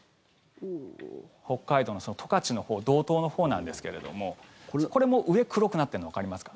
北海道の十勝のほう道東のほうなんですけれどもこれも上、黒くなっているのわかりますか？